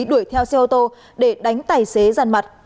đuổi theo xe ô tô để đánh tài xế giàn mặt